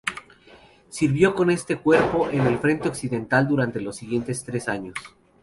Sirvió con este cuerpo en el frente occidental durante los siguientes tres años.